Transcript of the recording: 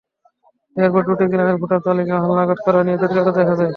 এরপর দুটি গ্রামের ভোটার তালিকা হালনাগাদ করা নিয়ে জটিলতা দেখা দেয়।